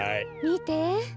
みて。